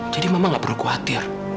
jadi mama gak perlu khawatir